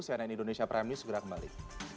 saya nen indonesia prime news segera kembali